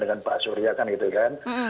dengan pak surya kan gitu kan